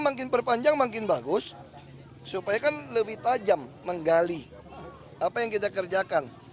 makin perpanjang makin bagus supaya kan lebih tajam menggali apa yang kita kerjakan